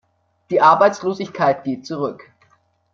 Die Arbeitslosigkeit geht zurück.